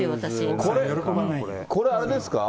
これ、あれですか？